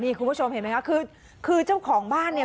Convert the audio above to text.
คุณผู้ชมเห็นไหมคะคือคือเจ้าของบ้านเนี่ย